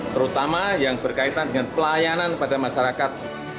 terutama yang berkaitan dengan pelayanan pada masyarakat